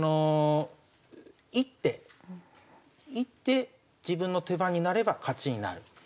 一手一手自分の手番になれば勝ちになる。